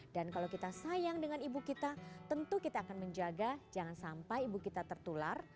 dan kalau kita sayang dengan ibu kita tentu kita akan menjaga jangan sampai ibu kita tertular